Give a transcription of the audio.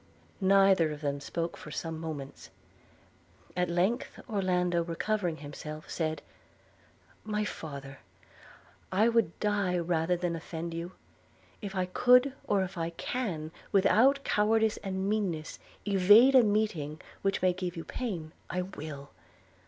Neither of them spoke for some moments. At length Orlando, recovering himself, said: 'My father! I would die rather than offend you – If I could, or if I can without cowardice and meanness evade a meeting which may give you pain, I will.